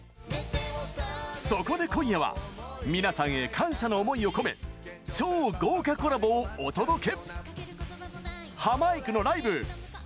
そこで今夜は皆さんへ感謝の思いを込め超豪華コラボをお届け。